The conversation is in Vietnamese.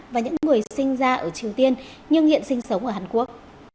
và những người sinh ra ở triều tiên nhưng hiện sinh sống ở hàn quốc